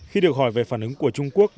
khi được hỏi về phản ứng của trung quốc